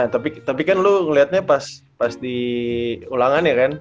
nah tapi kan lo ngeliatnya pas pas di ulangan ya kan